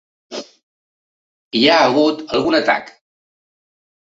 Hi ha hagut algun atac.